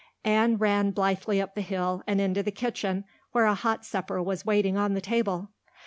Anne ran blithely up the hill and into the kitchen, where a hot supper was waiting on the table.